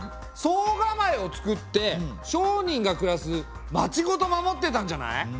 惣構をつくって商人が暮らす町ごと守ってたんじゃない？